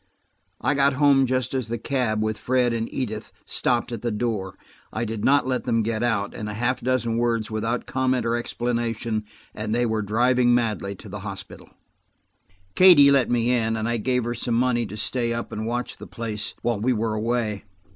I got home just as the cab, with Fred and Edith, stopped at the door. I did not let them get out; a half dozen words, without comment or explanation, and they were driving madly to the hospital. Katie let me in, and I gave her some money to stay up and watch the place while we were away.